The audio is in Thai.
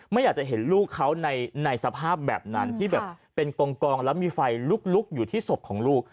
ไม่อยากจะเห็นลูกเขาในสภาพแบบนั้นที่แบบเป็นกองแล้วมีไฟลุกอยู่ที่ศพของลูก